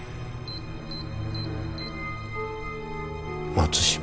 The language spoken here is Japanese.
松島。